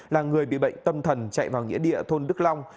là người bị bệnh tâm thần chạy vào nghĩa địa thôn đức long